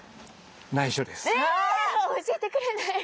え教えてくれない！